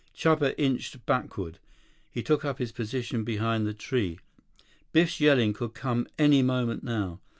86 Chuba inched backward. He took up his position behind the tree. Biff's yelling could come any moment now.